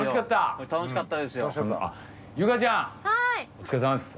お疲れさまです。